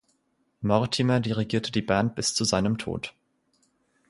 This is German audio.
Mortimer dirigierte die Band bis zu seinem Tod.